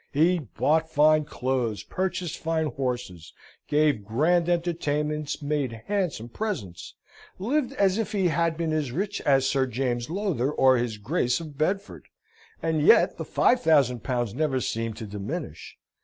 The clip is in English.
He bought fine clothes, purchased fine horses, gave grand entertainments, made handsome presents, lived as if he had been as rich as Sir James Lowther, or his Grace of Bedford, and yet the five thousand pounds never seemed to diminish.